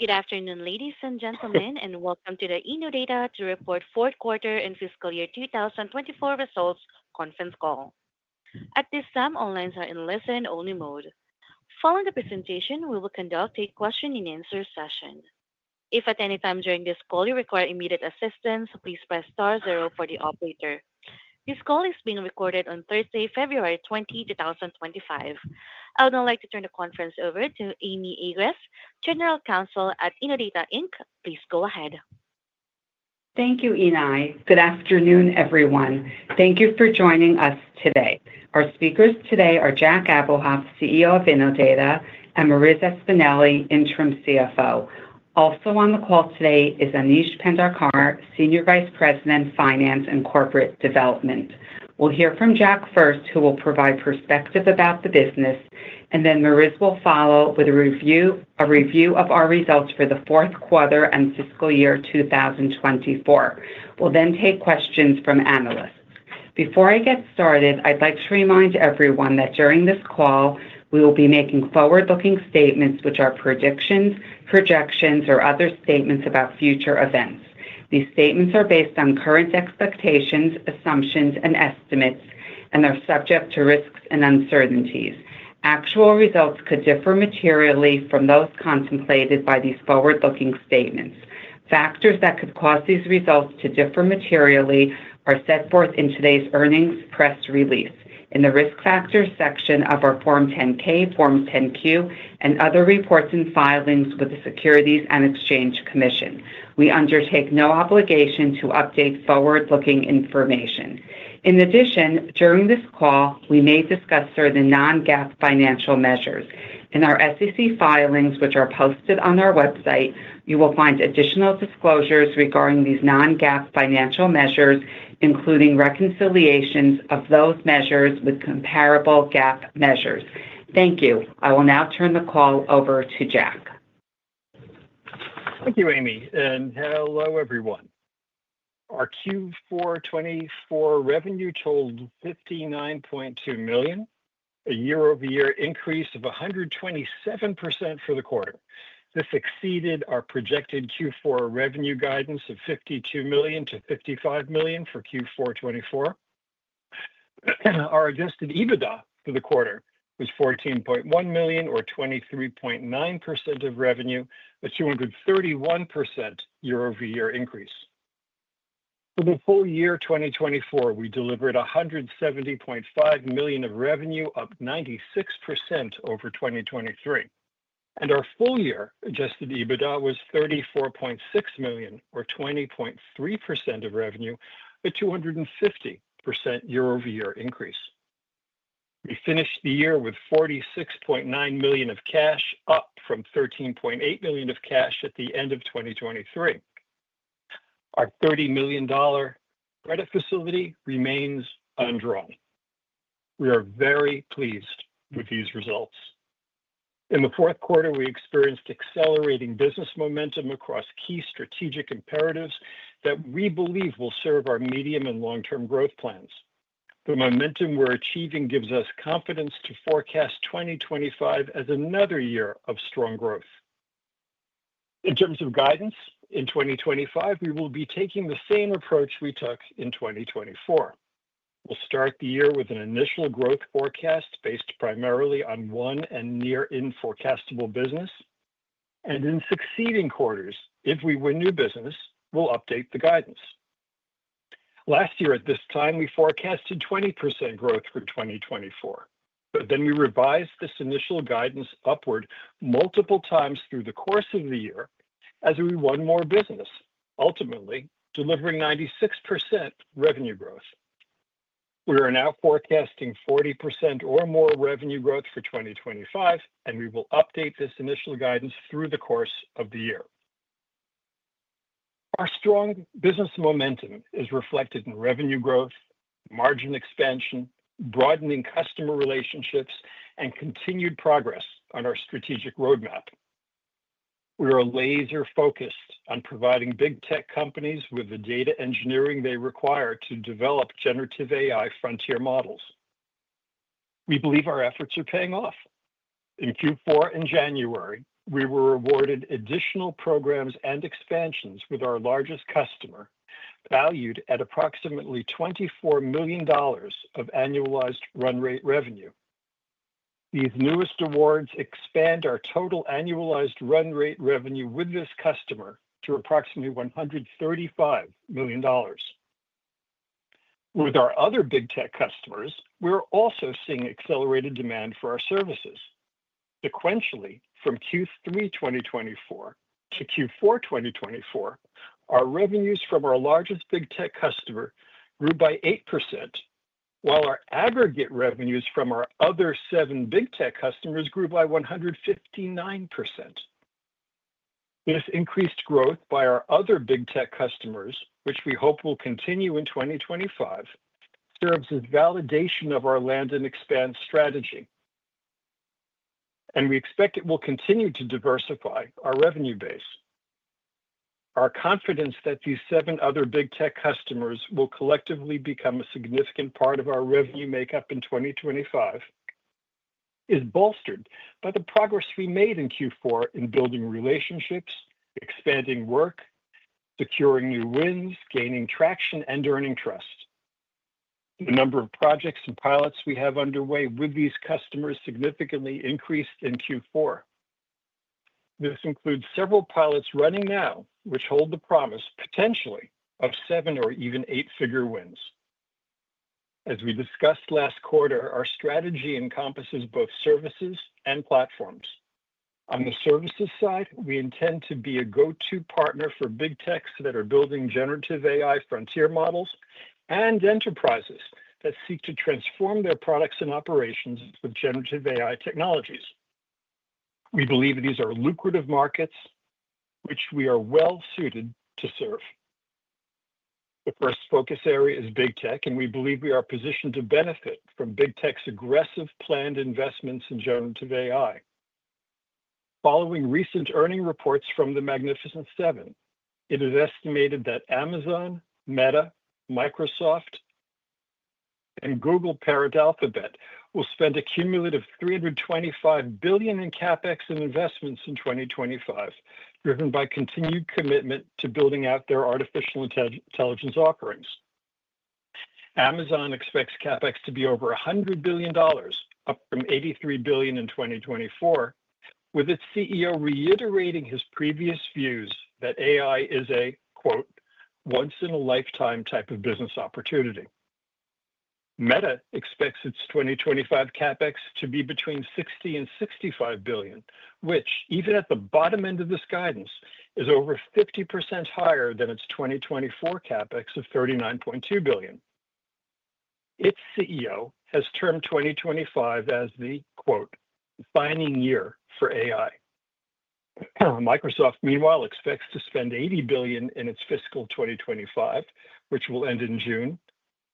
Good afternoon, ladies and gentlemen, and welcome to the Innodata Fourth Quarter and Fiscal year 2024 Results Conference Call. At this time, all lines are in listen-only mode. Following the presentation, we will conduct a question-and-answer session. If at any time during this call you require immediate assistance, please press star zero for the operator. This call is being recorded on Thursday, February 20, 2025. I would now like to turn the conference over to Amy Agress, General Counsel at Innodata Inc Please go ahead. Thank you, Innodata. Good afternoon, everyone. Thank you for joining us today. Our speakers today are Jack Abuhoff, CEO of Innodata, and Marissa Espineli, Interim CFO. Also on the call today is Aneesh Pendharkar, Senior Vice President, Finance and Corporate Development. We'll hear from Jack first, who will provide perspective about the business, and then Marissa will follow with a review of our results for the fourth quarter and fiscal year 2024. We'll then take questions from analysts. Before I get started, I'd like to remind everyone that during this call, we will be making forward-looking statements, which are predictions, projections, or other statements about future events. These statements are based on current expectations, assumptions, and estimates, and are subject to risks and uncertainties. Actual results could differ materially from those contemplated by these forward-looking statements. Factors that could cause these results to differ materially are set forth in today's earnings press release, in the risk factors section of our Form 10-K, Form 10-Q, and other reports and filings with the Securities and Exchange Commission. We undertake no obligation to update forward-looking information. In addition, during this call, we may discuss certain non-GAAP financial measures. In our SEC filings, which are posted on our website, you will find additional disclosures regarding these non-GAAP financial measures, including reconciliations of those measures with comparable GAAP measures. Thank you. I will now turn the call over to Jack. Thank you, Amy, and hello, everyone. Our Q4 2024 revenue totaled $59.2 million, a year-over-year increase of 127% for the quarter. This exceeded our projected Q4 revenue guidance of $52 million-$55 million for Q4 2024. Our adjusted EBITDA for the quarter was $14.1 million, or 23.9% of revenue, a 231% year-over-year increase. For the full year 2024, we delivered $170.5 million of revenue, up 96% over 2023, and our full-year adjusted EBITDA was $34.6 million, or 20.3% of revenue, a 250% year-over-year increase. We finished the year with $46.9 million of cash, up from $13.8 million of cash at the end of 2023. Our $30 million credit facility remains undrawn. We are very pleased with these results. In the fourth quarter, we experienced accelerating business momentum across key strategic imperatives that we believe will serve our medium and long-term growth plans. The momentum we're achieving gives us confidence to forecast 2025 as another year of strong growth. In terms of guidance, in 2025, we will be taking the same approach we took in 2024. We'll start the year with an initial growth forecast based primarily on one and near-in forecastable business. In succeeding quarters, if we win new business, we'll update the guidance. Last year, at this time, we forecasted 20% growth for 2024, but then we revised this initial guidance upward multiple times through the course of the year as we won more business, ultimately delivering 96% revenue growth. We are now forecasting 40% or more revenue growth for 2025, and we will update this initial guidance through the course of the year. Our strong business momentum is reflected in revenue growth, margin expansion, broadening customer relationships, and continued progress on our strategic roadmap. We are laser-focused on providing big tech companies with the data engineering they require to develop generative AI frontier models. We believe our efforts are paying off. In Q4 in January, we were awarded additional programs and expansions with our largest customer, valued at approximately $24 million of annualized run rate revenue. These newest awards expand our total annualized run rate revenue with this customer to approximately $135 million. With our other big tech customers, we're also seeing accelerated demand for our services. Sequentially, from Q3 2024 to Q4 2024, our revenues from our largest big tech customer grew by 8%, while our aggregate revenues from our other seven big tech customers grew by 159%. This increased growth by our other big tech customers, which we hope will continue in 2025, serves as validation of our land and expand strategy. We expect it will continue to diversify our revenue base. Our confidence that these seven other big tech customers will collectively become a significant part of our revenue makeup in 2025 is bolstered by the progress we made in Q4 in building relationships, expanding work, securing new wins, gaining traction, and earning trust. The number of projects and pilots we have underway with these customers significantly increased in Q4. This includes several pilots running now, which hold the promise, potentially, of seven- or even eight-figure wins. As we discussed last quarter, our strategy encompasses both services and platforms. On the services side, we intend to be a go-to partner for Big Techs that are building generative AI frontier models and enterprises that seek to transform their products and operations with generative AI technologies. We believe these are lucrative markets, which we are well-suited to serve. The first focus area is big tech, and we believe we are positioned to benefit from big tech's aggressive planned investments in generative AI. Following recent earnings reports from the Magnificent Seven, it is estimated that Amazon, Meta, Microsoft, and Alphabet, Google's parent will spend a cumulative $325 billion in CapEx and investments in 2025, driven by continued commitment to building out their artificial intelligence offerings. Amazon expects CapEx to be over $100 billion, up from $83 billion in 2024, with its CEO reiterating his previous views that AI is a, quote, "once-in-a-lifetime type of business opportunity." Meta expects its 2025 CapEx to be between $60-$65 billion, which, even at the bottom end of this guidance, is over 50% higher than its 2024 CapEx of $39.2 billion. Its CEO has termed 2025 as the, quote, "defining year for AI." Microsoft, meanwhile, expects to spend $80 billion in its fiscal 2025, which will end in June,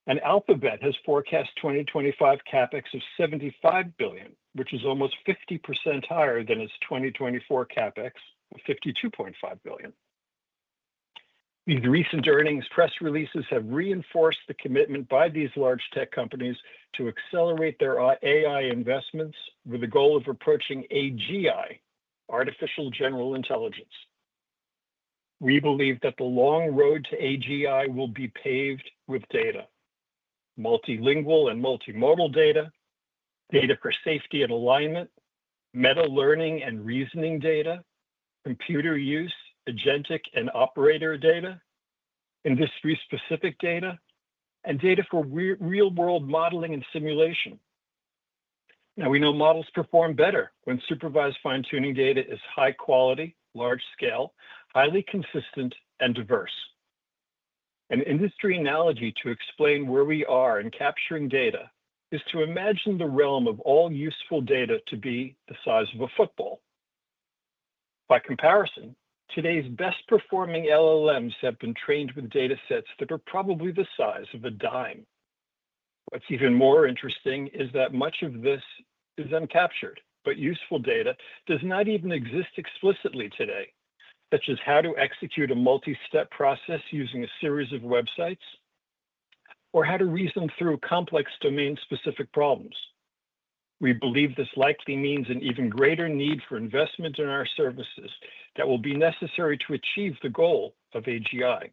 and Alphabet has forecast 2025 CapEx of $75 billion, which is almost 50% higher than its 2024 CapEx of $52.5 billion. These recent earnings press releases have reinforced the commitment by these large tech companies to accelerate their AI investments with the goal of approaching AGI, Artificial General Intelligence. We believe that the long road to AGI will be paved with data: multilingual and multimodal data, data for safety and alignment, meta-learning and reasoning data, computer use, agentic and operator data, industry-specific data, and data for real-world modeling and simulation. Now, we know models perform better when supervised fine-tuning data is high quality, large scale, highly consistent, and diverse. An industry analogy to explain where we are in capturing data is to imagine the realm of all useful data to be the size of a football. By comparison, today's best-performing LLMs have been trained with data sets that are probably the size of a dime. What's even more interesting is that much of this is uncaptured, but useful data does not even exist explicitly today, such as how to execute a multi-step process using a series of websites or how to reason through complex domain-specific problems. We believe this likely means an even greater need for investment in our services that will be necessary to achieve the goal of AGI.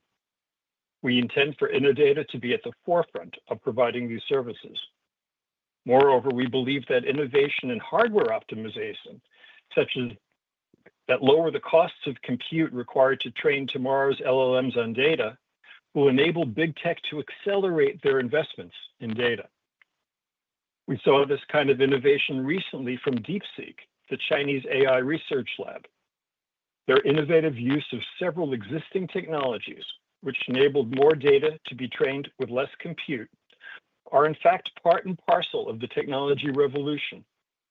We intend for Innodata to be at the forefront of providing these services. Moreover, we believe that innovation in hardware optimization, such as that lower the costs of compute required to train tomorrow's LLMs on data, will enable big tech to accelerate their investments in data. We saw this kind of innovation recently from DeepSeek, the Chinese AI research lab. Their innovative use of several existing technologies, which enabled more data to be trained with less compute, are in fact part and parcel of the technology revolution,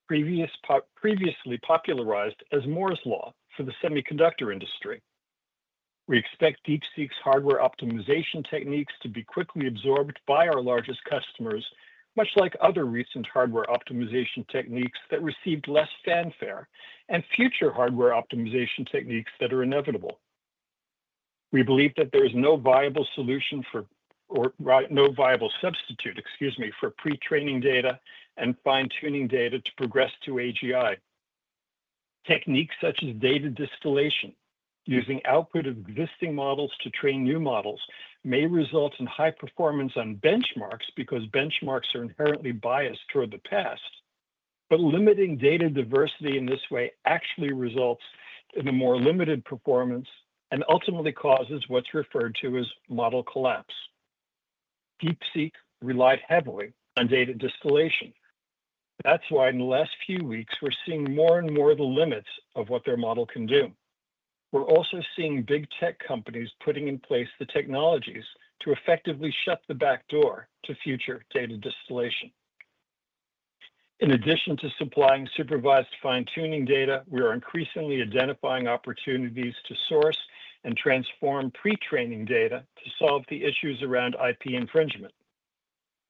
previously popularized as Moore's Law for the semiconductor industry. We expect DeepSeek's hardware optimization techniques to be quickly absorbed by our largest customers, much like other recent hardware optimization techniques that received less fanfare and future hardware optimization techniques that are inevitable. We believe that there is no viable solution for, or no viable substitute, excuse me, for pretraining data and fine-tuning data to progress to AGI. Techniques such as data distillation, using output of existing models to train new models, may result in high performance on benchmarks because benchmarks are inherently biased toward the past. But limiting data diversity in this way actually results in a more limited performance and ultimately causes what's referred to as model collapse. DeepSeek relied heavily on data distillation. That's why in the last few weeks, we're seeing more and more of the limits of what their model can do. We're also seeing big tech companies putting in place the technologies to effectively shut the back door to future data distillation. In addition to supplying supervised fine-tuning data, we are increasingly identifying opportunities to source and transform pretraining data to solve the issues around IP infringement.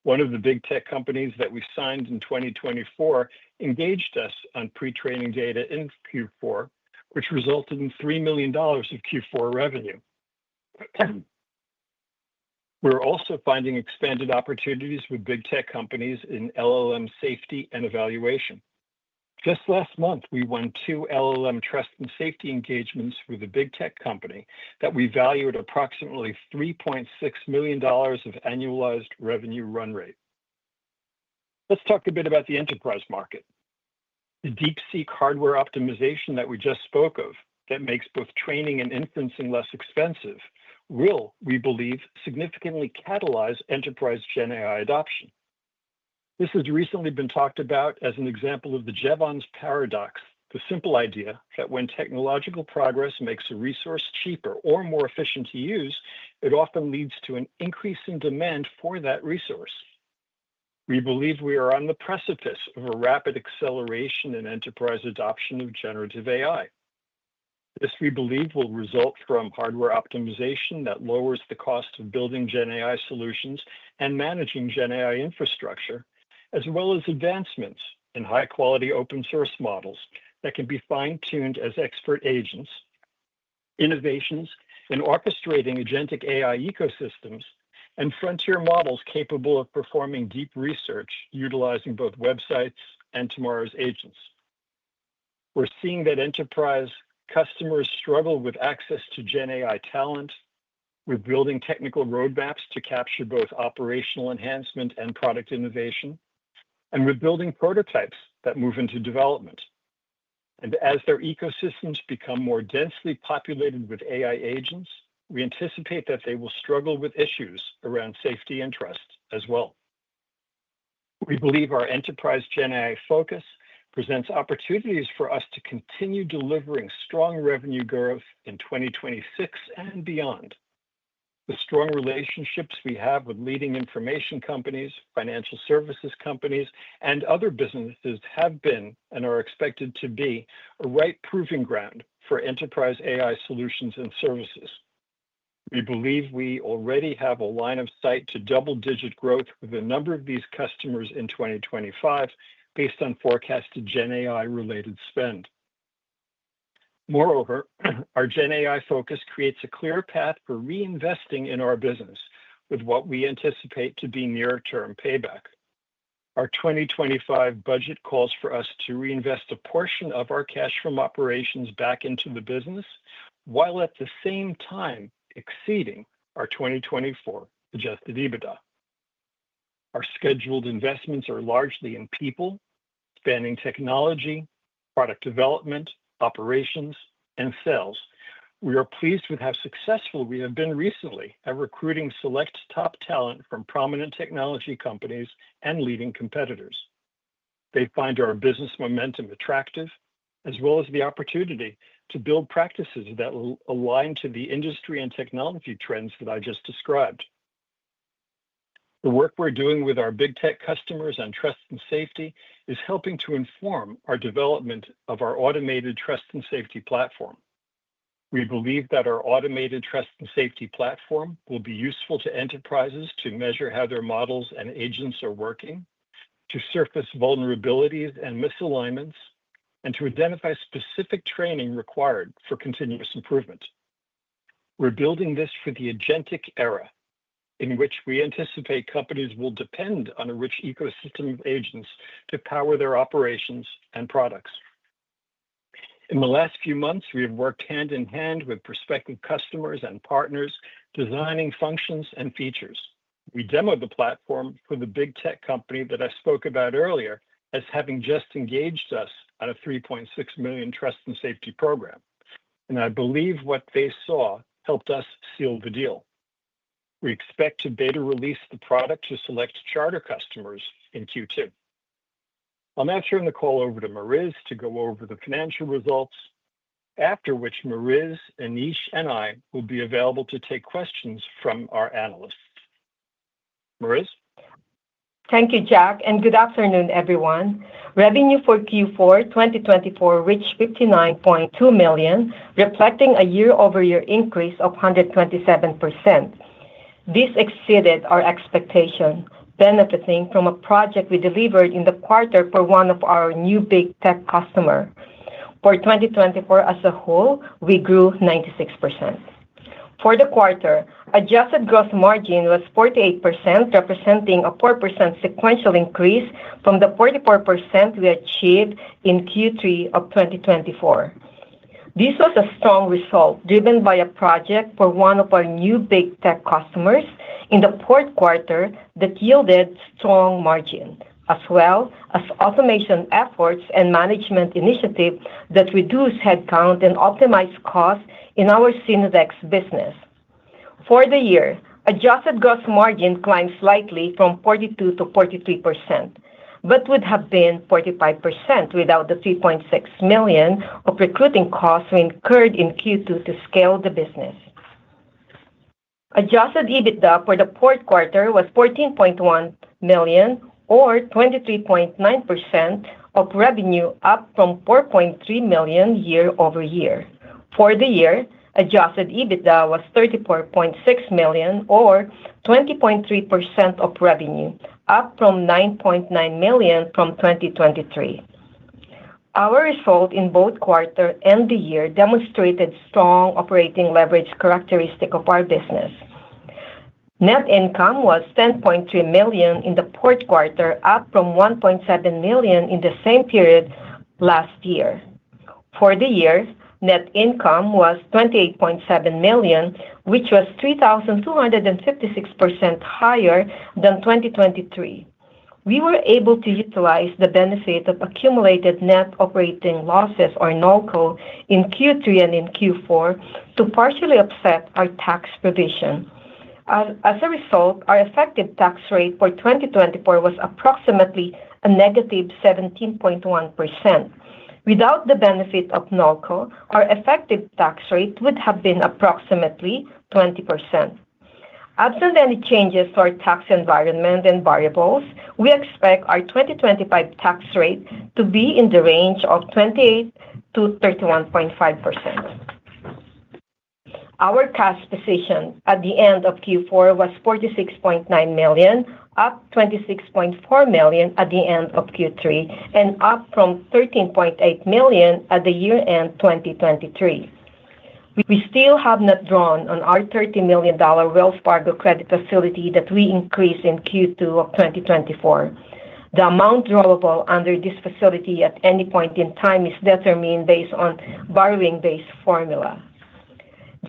One of the big tech companies that we signed in 2024 engaged us on pretraining data in Q4, which resulted in $3 million of Q4 revenue. We're also finding expanded opportunities with big tech companies in LLM safety and evaluation. Just last month, we won two LLM trust and safety engagements with a big tech company that we valued approximately $3.6 million of annualized revenue run rate. Let's talk a bit about the enterprise market. The DeepSeek hardware optimization that we just spoke of that makes both training and inferencing less expensive will, we believe, significantly catalyze enterprise Gen AI adoption. This has recently been talked about as an example of the Jevons Paradox, the simple idea that when technological progress makes a resource cheaper or more efficient to use, it often leads to an increase in demand for that resource. We believe we are on the precipice of a rapid acceleration in enterprise adoption of generative AI. This, we believe, will result from hardware optimization that lowers the cost of building Gen AI solutions and managing Gen AI infrastructure, as well as advancements in high-quality open-source models that can be fine-tuned as expert agents, innovations in orchestrating agentic AI ecosystems, and frontier models capable of performing deep research utilizing both websites and tomorrow's agents. We're seeing that enterprise customers struggle with access to Gen AI talent, with building technical roadmaps to capture both operational enhancement and product innovation, and with building prototypes that move into development, and as their ecosystems become more densely populated with AI agents, we anticipate that they will struggle with issues around safety and trust as well. We believe our enterprise Gen AI focus presents opportunities for us to continue delivering strong revenue growth in 2026 and beyond. The strong relationships we have with leading information companies, financial services companies, and other businesses have been and are expected to be a right proving ground for enterprise AI solutions and services. We believe we already have a line of sight to double-digit growth with a number of these customers in 2025 based on forecasted Gen AI-related spend. Moreover, our Gen AI focus creates a clear path for reinvesting in our business with what we anticipate to be near-term payback. Our 2025 budget calls for us to reinvest a portion of our cash from operations back into the business while at the same time exceeding our 2024 adjusted EBITDA. Our scheduled investments are largely in people, spanning technology, product development, operations, and sales. We are pleased with how successful we have been recently at recruiting select top talent from prominent technology companies and leading competitors. They find our business momentum attractive, as well as the opportunity to build practices that align to the industry and technology trends that I just described. The work we're doing with our big tech customers on trust and safety is helping to inform our development of our automated trust and safety platform. We believe that our automated trust and safety platform will be useful to enterprises to measure how their models and agents are working, to surface vulnerabilities and misalignments, and to identify specific training required for continuous improvement. We're building this for the agentic era in which we anticipate companies will depend on a rich ecosystem of agents to power their operations and products. In the last few months, we have worked hand in hand with prospective customers and partners designing functions and features. We demoed the platform for the big tech company that I spoke about earlier as having just engaged us on a $3.6 million trust and safety program, and I believe what they saw helped us seal the deal. We expect to beta release the product to select charter customers in Q2. I'll now turn the call over to Marissa to go over the financial results, after which Marissa, Aneesh, and I will be available to take questions from our analysts. Marissa. Thank you, Jack, and good afternoon, everyone. Revenue for Q4 2024 reached $59.2 million, reflecting a year-over-year increase of 127%. This exceeded our expectation, benefiting from a project we delivered in the quarter for one of our new big tech customers. For 2024 as a whole, we grew 96%. For the quarter, Adjusted Gross Margin was 48%, representing a 4% sequential increase from the 44% we achieved in Q3 of 2024. This was a strong result driven by a project for one of our new big tech customers in the fourth quarter that yielded strong margin, as well as automation efforts and management initiatives that reduce headcount and optimize costs in our Synodex business. For the year, Adjusted Gross Margin climbed slightly from 42% to 43%, but would have been 45% without the $3.6 million of recruiting costs we incurred in Q2 to scale the business. Adjusted EBITDA for the fourth quarter was $14.1 million, or 23.9% of revenue, up from $4.3 million year-over-year. For the year, Adjusted EBITDA was $34.6 million, or 20.3% of revenue, up from $9.9 million from 2023. Our result in both quarters and the year demonstrated strong operating leverage characteristics of our business. Net income was $10.3 million in the fourth quarter, up from $1.7 million in the same period last year. For the year, net income was $28.7 million, which was 3,256% higher than 2023. We were able to utilize the benefit of accumulated net operating losses, or NOLs, in Q3 and in Q4 to partially offset our tax provision. As a result, our effective tax rate for 2024 was approximately a negative 17.1%. Without the benefit of NOLs, our effective tax rate would have been approximately 20%. Absent any changes to our tax environment and variables, we expect our 2025 tax rate to be in the range of 28% to 31.5%. Our cash position at the end of Q4 was $46.9 million, up $26.4 million at the end of Q3, and up from $13.8 million at the year-end 2023. We still have not drawn on our $30 million Wells Fargo credit facility that we increased in Q2 of 2024. The amount drawable under this facility at any point in time is determined based on a borrowing-based formula.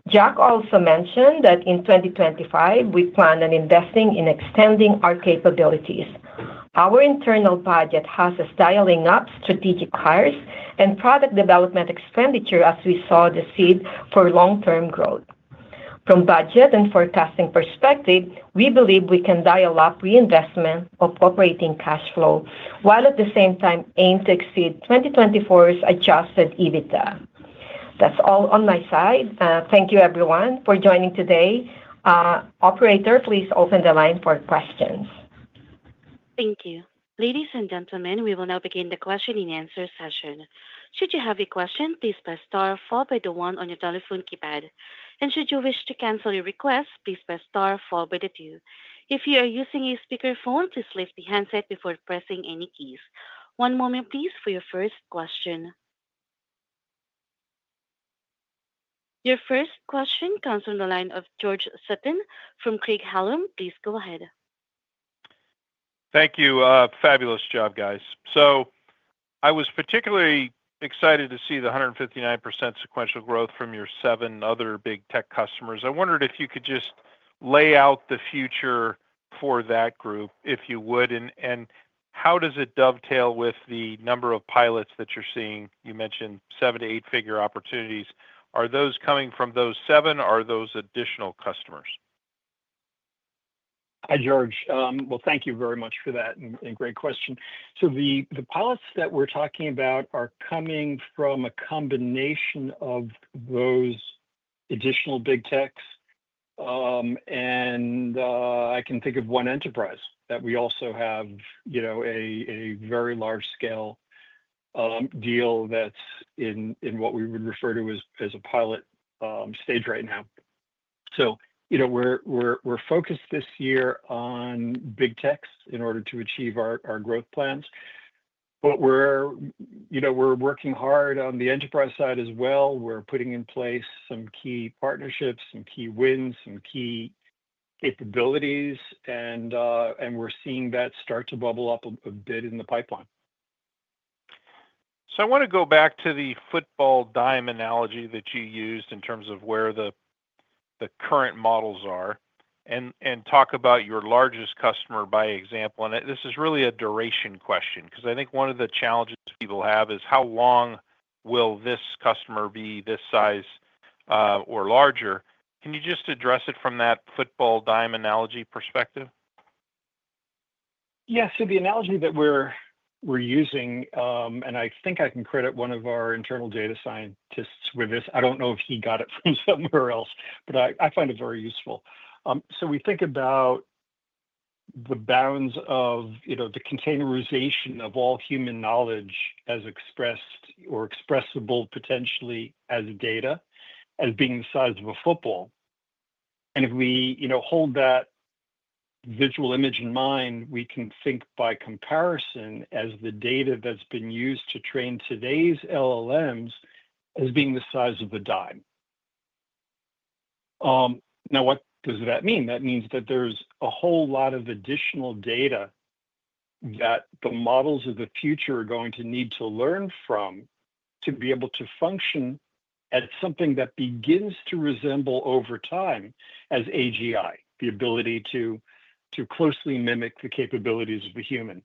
Jack also mentioned that in 2025, we plan on investing in extending our capabilities. Our internal budget has us dialing up strategic hires and product development expenditure, as we saw the seed for long-term growth. From a budget and forecasting perspective, we believe we can dial up reinvestment of operating cash flow while at the same time aim to exceed 2024's Adjusted EBITDA. That's all on my side. Thank you, everyone, for joining today. Operator, please open the line for questions. Thank you. Ladies and gentlemen, we will now begin the question-and-answer session. Should you have a question, please press star followed by the one on your telephone keypad. Should you wish to cancel your request, please press star followed by the two. If you are using a speakerphone, please lift the handset before pressing any keys. One moment, please, for your first question. Your first question comes from the line of George Sutton from Craig-Hallum. Please go ahead. Thank you. Fabulous job, guys. So I was particularly excited to see the 159% sequential growth from your seven other big tech customers. I wondered if you could just lay out the future for that group, if you would, and how does it dovetail with the number of pilots that you're seeing? You mentioned seven- to eight-figure opportunities. Are those coming from those seven, or are those additional customers? Hi, George. Well, thank you very much for that and great question. So the pilots that we're talking about are coming from a combination of those additional Big Techs. I can think of one enterprise that we also have a very large-scale deal that's in what we would refer to as a pilot stage right now. We're focused this year on Big Techs in order to achieve our growth plans. We're working hard on the enterprise side as well. We're putting in place some key partnerships, some key wins, some key capabilities, and we're seeing that start to bubble up a bit in the pipeline. I want to go back to the football dime analogy that you used in terms of where the current models are and talk about your largest customer by example. This is really a duration question because I think one of the challenges people have is, "How long will this customer be this size or larger?" Can you just address it from that football dime analogy perspective? Yeah. The analogy that we're using, and I think I can credit one of our internal data scientists with this. I don't know if he got it from somewhere else, but I find it very useful. We think about the bounds of the containerization of all human knowledge as expressed or expressible potentially as data as being the size of a football. If we hold that visual image in mind, we can think by comparison as the data that's been used to train today's LLMs as being the size of a dime. Now, what does that mean? That means that there's a whole lot of additional data that the models of the future are going to need to learn from to be able to function as something that begins to resemble over time as AGI, the ability to closely mimic the capabilities of a human.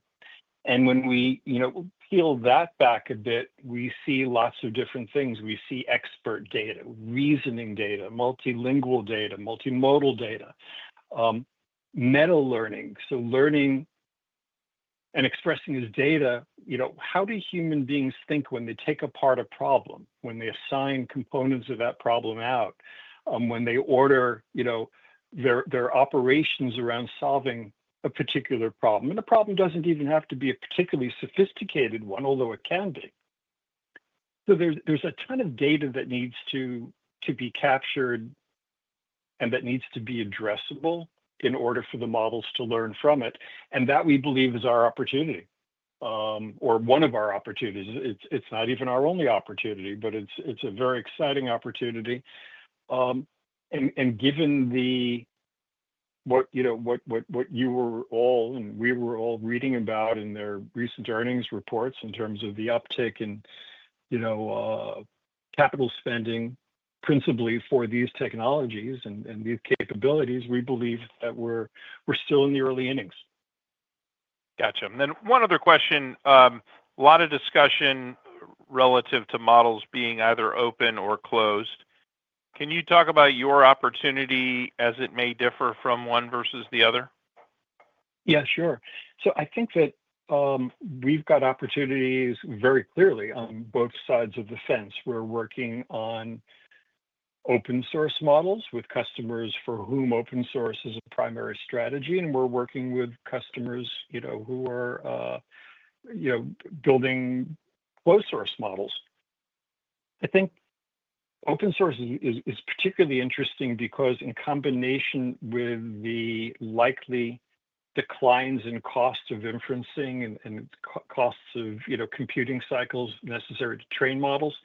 And when we peel that back a bit, we see lots of different things. We see expert data, reasoning data, multilingual data, multimodal data, meta-learning. So learning and expressing as data, how do human beings think when they take apart a problem, when they assign components of that problem out, when they order their operations around solving a particular problem? And the problem doesn't even have to be a particularly sophisticated one, although it can be. So there's a ton of data that needs to be captured and that needs to be addressable in order for the models to learn from it. And that, we believe, is our opportunity or one of our opportunities. It's not even our only opportunity, but it's a very exciting opportunity. And given what you were all and we were all reading about in their recent earnings reports in terms of the uptake and capital spending principally for these technologies and these capabilities, we believe that we're still in the early innings. Gotcha. And then one other question. A lot of discussion relative to models being either open or closed. Can you talk about your opportunity as it may differ from one versus the other? Yeah, sure. So I think that we've got opportunities very clearly on both sides of the fence. We're working on open-source models with customers for whom open-source is a primary strategy, and we're working with customers who are building closed-source models. I think open-source is particularly interesting because in combination with the likely declines in cost of inferencing and costs of computing cycles necessary to train models,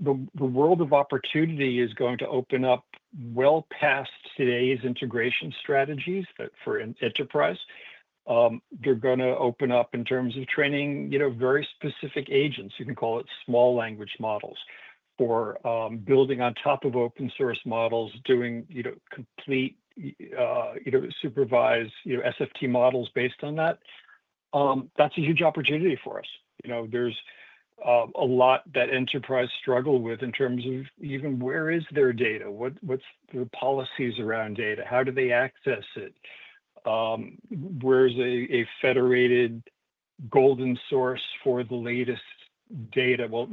the world of opportunity is going to open up well past today's integration strategies for enterprise. They're going to open up in terms of training very specific agents. You can call it small language models for building on top of open-source models, doing complete supervised SFT models based on that. That's a huge opportunity for us. There's a lot that enterprises struggle with in terms of even where is their data? What's the policies around data? How do they access it? Where's a federated golden source for the latest data? Well,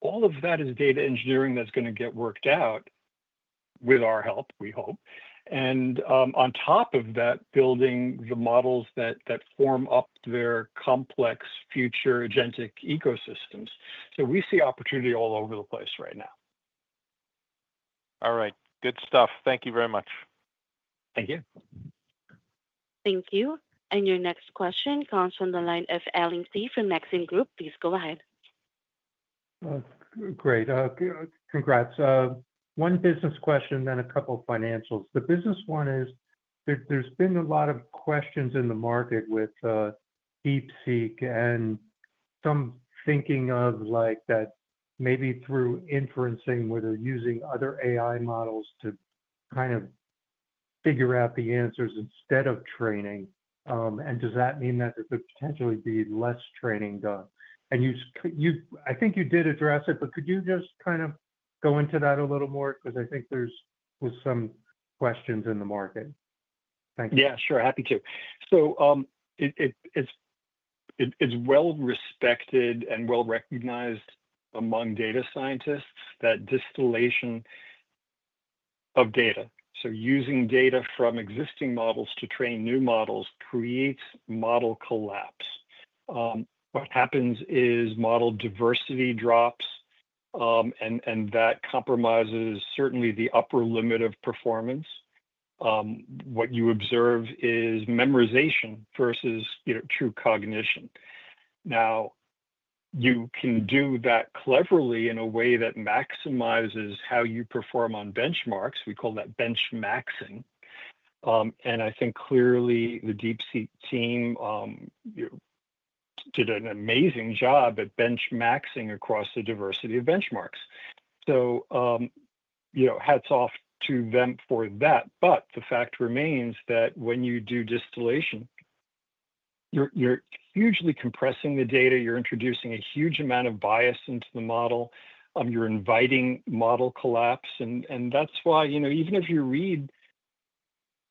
all of that is data engineering that's going to get worked out with our help, we hope, and on top of that, building the models that form up their complex future agentic ecosystems. So we see opportunity all over the place right now. All right. Good stuff. Thank you very much. Thank you. Thank you. And your next question comes from the line of Allen Klee from Maxim Group. Please go ahead. Great. Congrats. One business question, then a couple of financials. The business one is there's been a lot of questions in the market with DeepSeek and some thinking of that maybe through inferencing, whether using other AI models to kind of figure out the answers instead of training. And does that mean that there could potentially be less training done? And I think you did address it, but could you just kind of go into that a little more because I think there's some questions in the market? Thank you. Yeah, sure. Happy to. So it's well-respected and well-recognized among data scientists that distillation of data. So using data from existing models to train new models creates model collapse. What happens is model diversity drops, and that compromises certainly the upper limit of performance. What you observe is memorization versus true cognition. Now, you can do that cleverly in a way that maximizes how you perform on benchmarks. We call that benchmaxing. And I think clearly the DeepSeek team did an amazing job at benchmaxing across the diversity of benchmarks. So hats off to them for that. But the fact remains that when you do distillation, you're hugely compressing the data. You're introducing a huge amount of bias into the model. You're inviting model collapse. And that's why even if you read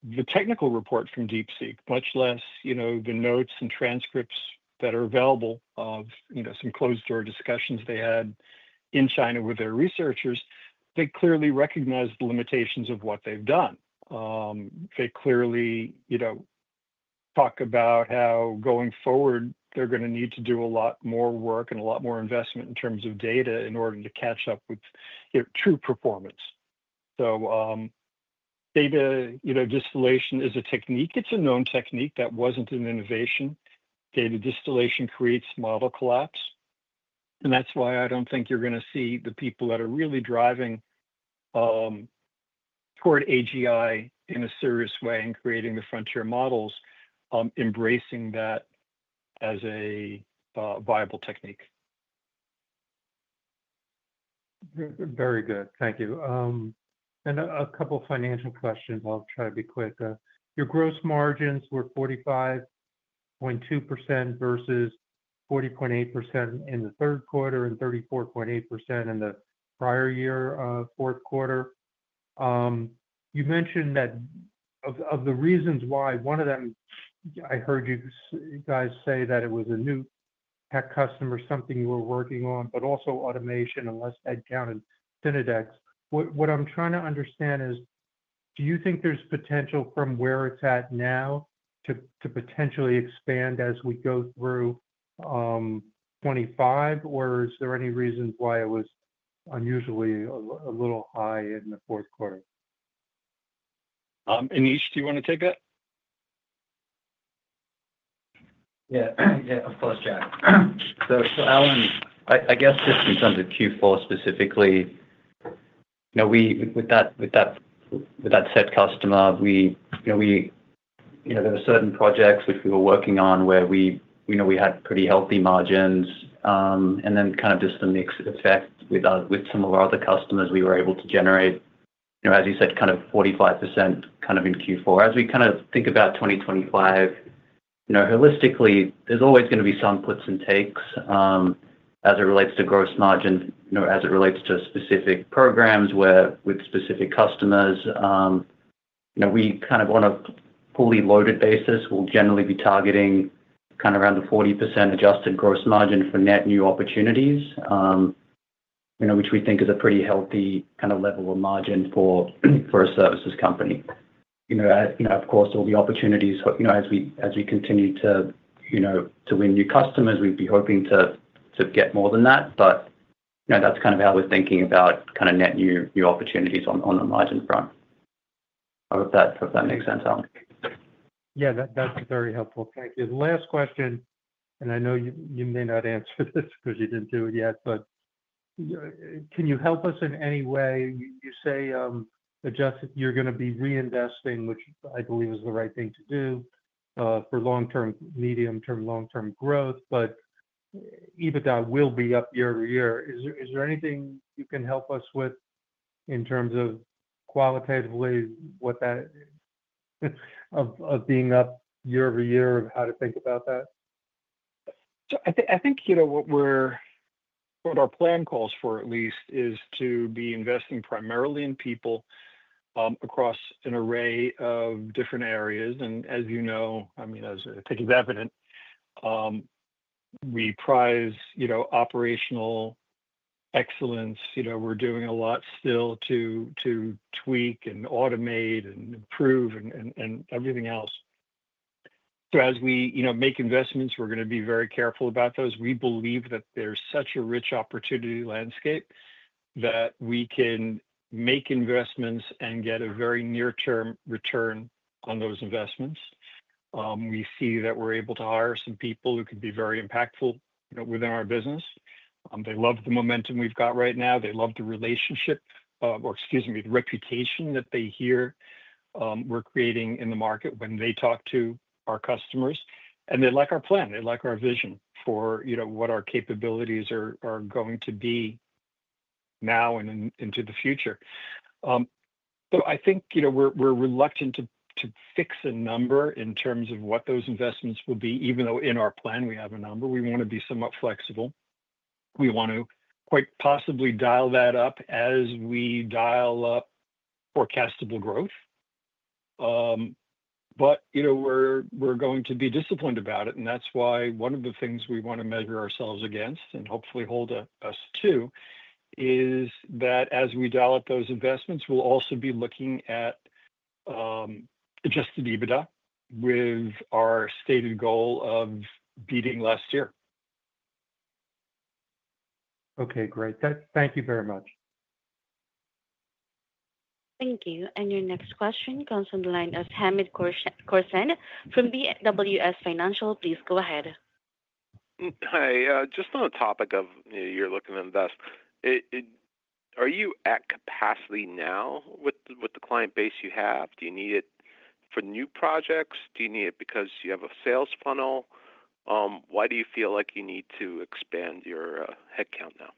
the technical report from DeepSeek, much less the notes and transcripts that are available of some closed-door discussions they had in China with their researchers, they clearly recognize the limitations of what they've done. They clearly talk about how going forward, they're going to need to do a lot more work and a lot more investment in terms of data in order to catch up with true performance. So data distillation is a technique. It's a known technique. That wasn't an innovation. Data distillation creates model collapse, and that's why I don't think you're going to see the people that are really driving toward AGI in a serious way and creating the frontier models embracing that as a viable technique. Very good. Thank you, and a couple of financial questions. I'll try to be quick. Your gross margins were 45.2% versus 40.8% in the third quarter and 34.8% in the prior year fourth quarter. You mentioned that of the reasons why one of them, I heard you guys say that it was a new tech customer, something you were working on, but also automation and less headcount and fintechs. What I'm trying to understand is, do you think there's potential from where it's at now to potentially expand as we go through 2025, or is there any reason why it was unusually a little high in the fourth quarter? Aneesh, do you want to take that? Yeah. Yeah, of course, Jack. So Allen, I guess just in terms of Q4 specifically, with that tech customer, there were certain projects which we were working on where we had pretty healthy margins. And then kind of just the mix effect with some of our other customers, we were able to generate, as you said, kind of 45% kind of in Q4. As we kind of think about 2025, holistically, there's always going to be some puts and takes as it relates to gross margin, as it relates to specific programs with specific customers. We kind of on a fully loaded basis, we'll generally be targeting kind of around the 40% adjusted gross margin for net new opportunities, which we think is a pretty healthy kind of level of margin for a services company. Of course, there will be opportunities as we continue to win new customers. We'd be hoping to get more than that, but that's kind of how we're thinking about kind of net new opportunities on the margin front. I hope that makes sense, Allen. Yeah, that's very helpful. Thank you. Last question, and I know you may not answer this because you didn't do it yet, but can you help us in any way? You say you're going to be reinvesting, which I believe is the right thing to do for medium-term, long-term growth, but EBITDA will be up year over year. Is there anything you can help us with in terms of qualitatively of being up year-over-year, of how to think about that? I think what our plan calls for at least is to be investing primarily in people across an array of different areas. And as you know, I mean, as I think is evident, we prize operational excellence. We're doing a lot still to tweak and automate and improve and everything else. So as we make investments, we're going to be very careful about those. We believe that there's such a rich opportunity landscape that we can make investments and get a very near-term return on those investments. We see that we're able to hire some people who can be very impactful within our business. They love the momentum we've got right now. They love the relationship, or excuse me, the reputation that they hear we're creating in the market when they talk to our customers, and they like our plan. They like our vision for what our capabilities are going to be now and into the future, so I think we're reluctant to fix a number in terms of what those investments will be, even though in our plan, we have a number. We want to be somewhat flexible. We want to quite possibly dial that up as we dial up forecastable growth, but we're going to be disciplined about it. That's why one of the things we want to measure ourselves against and hopefully hold us to is that as we dial up those investments, we'll also be looking at Adjusted EBITDA with our stated goal of beating last year. Okay, great. Thank you very much. Thank you. Your next question comes from the line of Hamed Khorsand from BWS Financial. Please go ahead. Hi. Just on the topic of you're looking to invest, are you at capacity now with the client base you have? Do you need it for new projects? Do you need it because you have a sales funnel? Why do you feel like you need to expand your headcount now?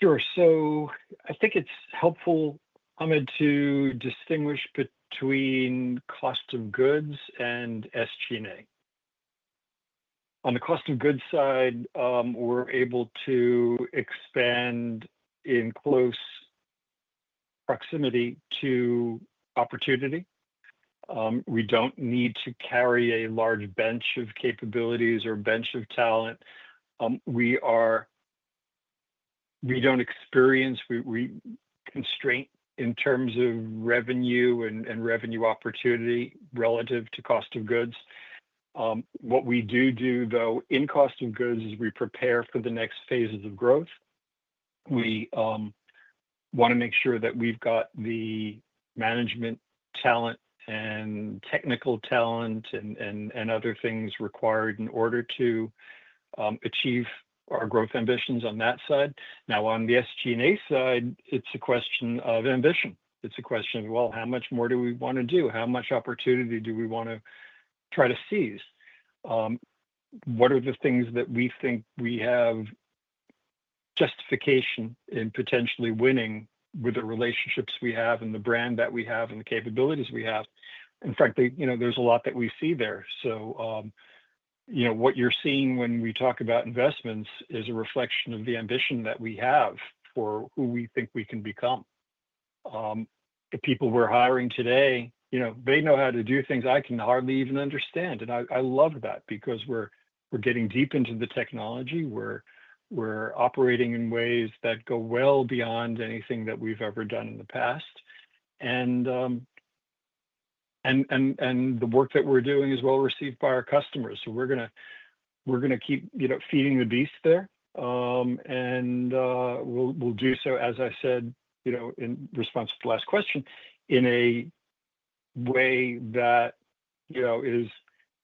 Sure. So I think it's helpful, Aneesh, to distinguish between cost of goods and SG&A. On the cost of goods side, we're able to expand in close proximity to opportunity. We don't need to carry a large bench of capabilities or a bench of talent. We don't experience constraint in terms of revenue and revenue opportunity relative to cost of goods. What we do do, though, in cost of goods is we prepare for the next phases of growth. We want to make sure that we've got the management talent and technical talent and other things required in order to achieve our growth ambitions on that side. Now, on the SG&A side, it's a question of ambition. It's a question of, well, how much more do we want to do? How much opportunity do we want to try to seize? What are the things that we think we have justification in potentially winning with the relationships we have and the brand that we have and the capabilities we have? In fact, there's a lot that we see there. So what you're seeing when we talk about investments is a reflection of the ambition that we have for who we think we can become. The people we're hiring today, they know how to do things I can hardly even understand. And I love that because we're getting deep into the technology. We're operating in ways that go well beyond anything that we've ever done in the past. And the work that we're doing is well received by our customers. So we're going to keep feeding the beast there. And we'll do so, as I said, in response to the last question, in a way that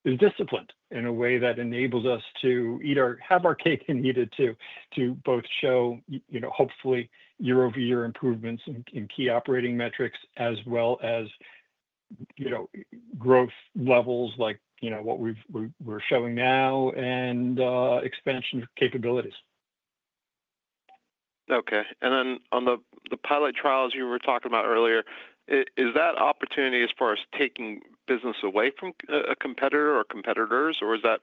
is disciplined, in a way that enables us to have our cake and eat it too, to both show, hopefully, year-over-year improvements in key operating metrics as well as growth levels like what we're showing now and expansion of capabilities. Okay. And then on the pilot trials you were talking about earlier, is that opportunity as far as taking business away from a competitor or competitors, or is that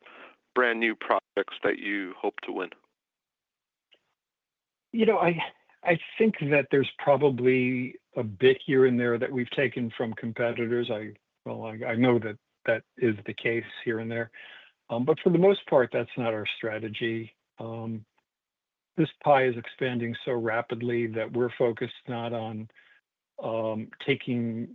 brand new projects that you hope to win? I think that there's probably a bit here and there that we've taken from competitors. Well, I know that that is the case here and there. But for the most part, that's not our strategy. This pie is expanding so rapidly that we're focused not on taking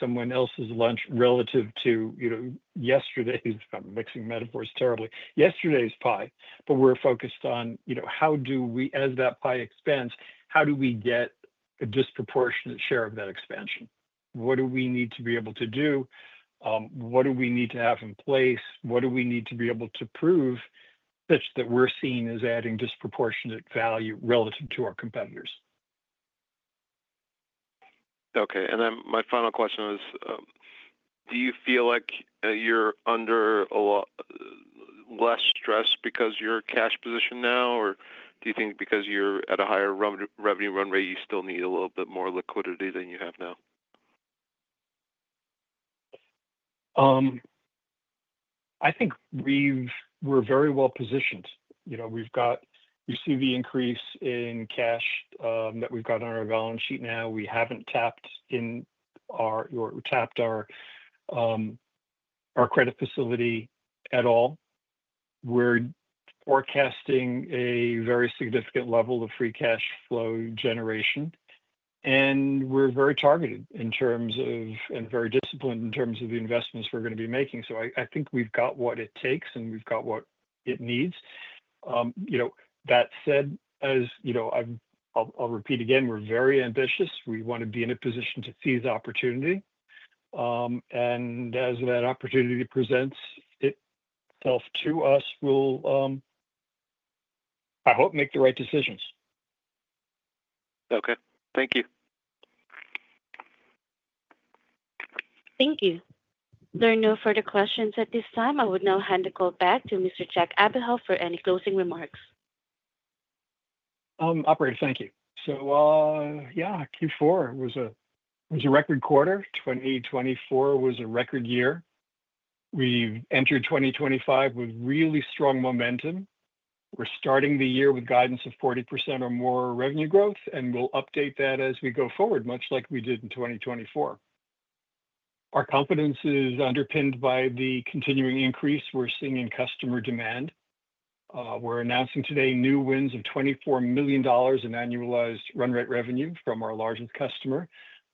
someone else's lunch relative to yesterday's (I'm mixing metaphors terribly) yesterday's pie. But we're focused on how do we, as that pie expands, how do we get a disproportionate share of that expansion? What do we need to be able to do? What do we need to have in place? What do we need to be able to prove such that we're seen as adding disproportionate value relative to our competitors? Okay. And then my final question is, do you feel like you're under a lot less stress because you're cash positioned now, or do you think because you're at a higher revenue run rate, you still need a little bit more liquidity than you have now? I think we're very well positioned. We've got—you see the increase in cash that we've got on our balance sheet now. We haven't tapped in or tapped our credit facility at all. We're forecasting a very significant level of free cash flow generation. And we're very targeted in terms of and very disciplined in terms of the investments we're going to be making. So I think we've got what it takes, and we've got what it needs. That said, I'll repeat again, we're very ambitious. We want to be in a position to seize opportunity. And as that opportunity presents itself to us, we'll, I hope, make the right decisions. Okay. Thank you. Thank you. There are no further questions at this time. I would now hand the call back to Mr. Jack Abuhoff for any closing remarks. Operator, thank you. So yeah, Q4 was a record quarter. 2024 was a record year. We've entered 2025 with really strong momentum. We're starting the year with guidance of 40% or more revenue growth, and we'll update that as we go forward, much like we did in 2024. Our confidence is underpinned by the continuing increase we're seeing in customer demand. We're announcing today new wins of $24 million in annualized run rate revenue from our largest customer,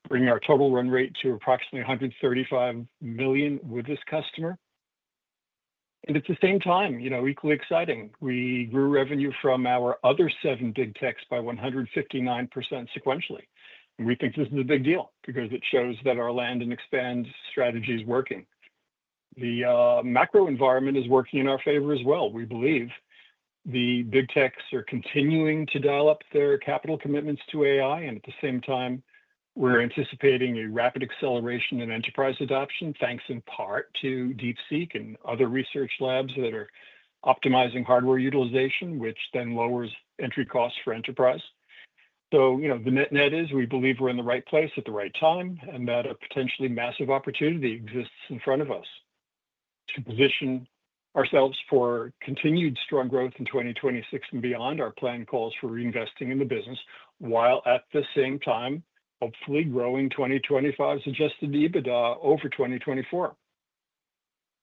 bringing our total run rate to approximately $135 million with this customer, and at the same time, equally exciting, we grew revenue from our other seven Big Techs by 159% sequentially. And we think this is a big deal because it shows that our land and expand strategy is working. The macro environment is working in our favor as well. We believe the Big Techs are continuing to dial up their capital commitments to AI, and at the same time, we're anticipating a rapid acceleration in enterprise adoption, thanks in part to DeepSeek and other research labs that are optimizing hardware utilization, which then lowers entry costs for enterprise. So the net is we believe we're in the right place at the right time, and that a potentially massive opportunity exists in front of us to position ourselves for continued strong growth in 2026 and beyond. Our plan calls for reinvesting in the business while at the same time, hopefully, growing 2025's Adjusted EBITDA over 2024.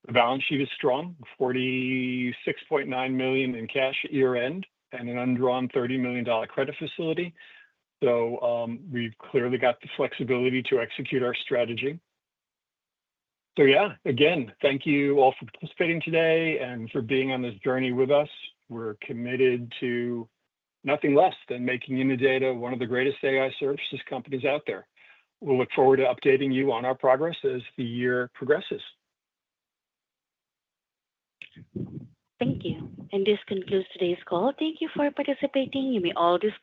The balance sheet is strong, $46.9 million in cash year-end and an undrawn $30 million credit facility. So we've clearly got the flexibility to execute our strategy. So yeah, again, thank you all for participating today and for being on this journey with us. We're committed to nothing less than making Innodata one of the greatest AI services companies out there. We'll look forward to updating you on our progress as the year progresses. Thank you. And this concludes today's call. Thank you for participating. You may all.